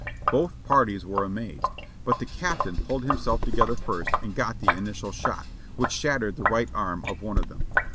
Both parties were amazed, but the Captain pulled himself together first and got the initial shot, which shattered the right arm of one of them.